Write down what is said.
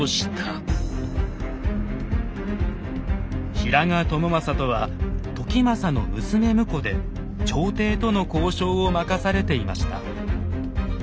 平賀朝雅とは時政の娘婿で朝廷との交渉を任されていました。